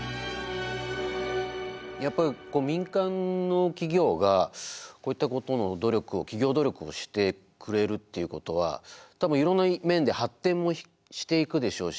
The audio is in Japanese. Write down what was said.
やっぱり民間の企業がこういったことの努力を企業努力をしてくれるっていうことは多分いろんな面で発展もしていくでしょうし。